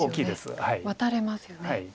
ワタれますよね。